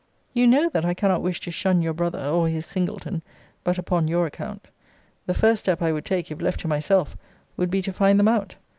You know, that I cannot wish to shun your brother, or his Singleton, but upon your account. The first step I would take, if left to myself, would be to find them out.